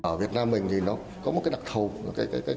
ở việt nam mình thì nó có một cái đặc thù